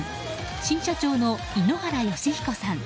新社長の井ノ原快彦さん